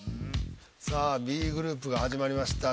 さあＢグループが始まりました。